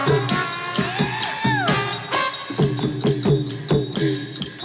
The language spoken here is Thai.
โอ้โหโอ้โหโอ้โห